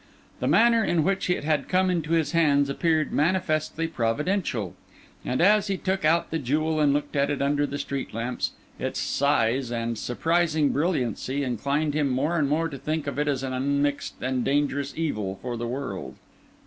The manner in which it had come into his hands appeared manifestly providential; and as he took out the jewel and looked at it under the street lamps, its size and surprising brilliancy inclined him more and more to think of it as of an unmixed and dangerous evil for the world.